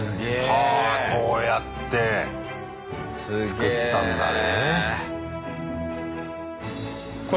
はぁこうやって作ったんだね。